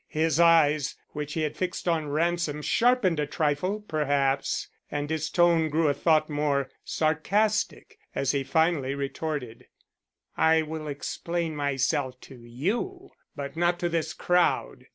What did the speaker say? His eyes, which he had fixed on Ransom, sharpened a trifle, perhaps, and his tone grew a thought more sarcastic as he finally retorted: "I will explain myself to you but not to this crowd.